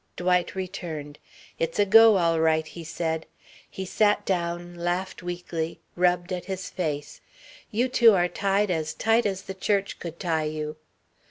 Dwight returned. "It's a go all right," he said. He sat down, laughed weakly, rubbed at his face. "You two are tied as tight as the church could tie you."